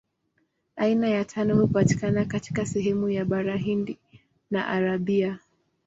Aina ya tano hupatikana katika sehemu ya Bara Hindi na Arabia.